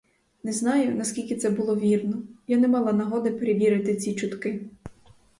Не знаю, наскільки це було вірно; я не мала нагоди перевірити ці чутки.